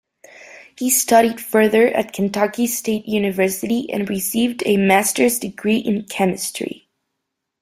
He studied further at Kentucky State University and received a Master's degree in Chemistry.